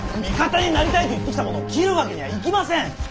味方になりたいと言ってきた者を斬るわけにはいきません！